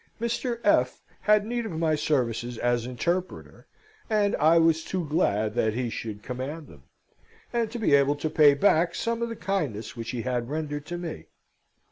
Mr. F. had need of my services as interpreter, and I was too glad that he should command them, and to be able to pay back some of the kindness which he had rendered to me.